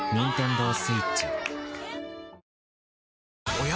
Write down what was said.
おや？